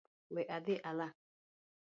We adhi ala